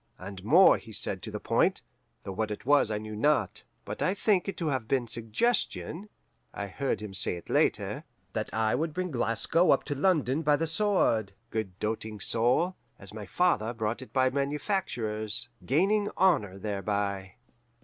And more he said to the point, though what it was I knew not. But I think it to have been suggestion (I heard him say it later) that I would bring Glasgow up to London by the sword (good doting soul!) as my father brought it by manufactures, gaining honour thereby.